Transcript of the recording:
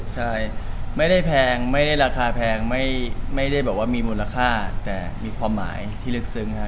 ใช่ไม่ได้แพงไม่ได้ราคาแพงไม่ได้แบบว่ามีมูลค่าแต่มีความหมายที่ลึกซึ้งฮะ